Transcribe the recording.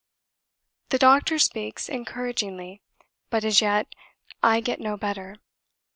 The doctor speaks encouragingly, but as yet I get no better.